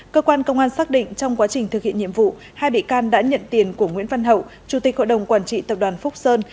cơ quan công an xác định trong quá trình thực hiện nhiệm vụ hai bị can đã nhận tiền của nguyễn văn hậu chủ tịch hội đồng quản trị tập đoàn phúc sơn